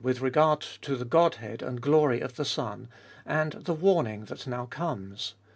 with regard to the Godhead and glory of the Son, and the warning that now comes.